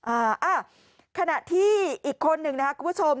อ่าอ่ะขณะที่อีกคนหนึ่งนะครับคุณผู้ชม